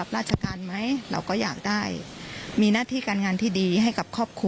โอ้โหเอาคืนฉันมาสิครับ